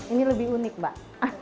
ini lebih unik mbak